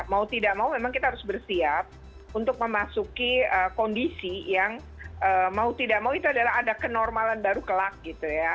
mau tidak mau memang kita harus bersiap untuk memasuki kondisi yang mau tidak mau itu adalah ada kenormalan baru kelak gitu ya